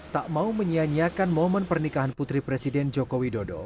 tak mau menyianyiakan momen pernikahan putri presiden joko widodo